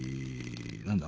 何だ？